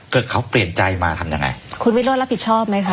ก็เขาเปลี่ยนใจมาทำยังไงคุณผู้หญิงตัวรับผิดชอบไหมคะ